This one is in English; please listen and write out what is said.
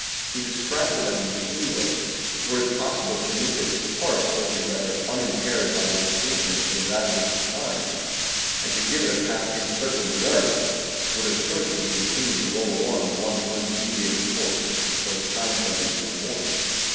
He describes it as a machine which, were it possible to make its parts hold to gether unimpaired by rotation or the ravages of time, and to give it a path encircling the earth, would assuredly con tinue to roll along in one undeviating course until time shall be no more.